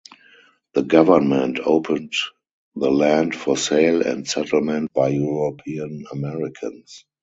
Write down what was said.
The government opened the land for sale and settlement by European Americans.